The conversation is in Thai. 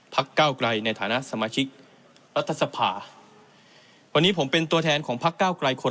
เก้าไกลในฐานะสมาชิกรัฐสภาวันนี้ผมเป็นตัวแทนของพักเก้าไกลคน